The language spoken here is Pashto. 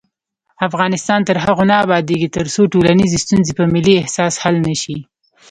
افغانستان تر هغو نه ابادیږي، ترڅو ټولنیزې ستونزې په ملي احساس حل نشي.